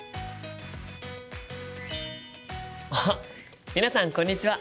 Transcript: あっ皆さんこんにちは！